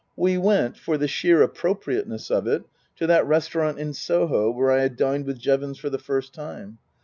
We went, for the sheer appropriateness of it, to that restaurant in Soho where I had dined with Jevons for the first time.